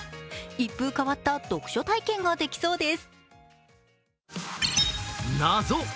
一風変わった読書体験ができそうです。